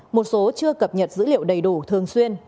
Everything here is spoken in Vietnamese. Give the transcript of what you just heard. một số chưa cập nhật dữ liệu đầy đủ thường xuyên